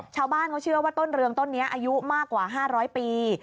ชาวบ้านเขาเชื่อว่าต้นเรืองต้นนี้อายุมากกว่า๕๐๐ปี